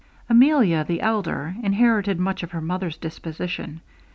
Emilia, the elder, inherited much of her mother's disposition.